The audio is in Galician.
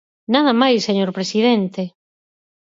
Nada máis, señor presidente.